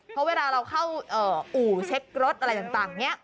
เพราะเวลาเราเข้าอู่เช็ครถอะไรต่างเนี่ย